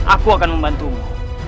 aku akan membantumu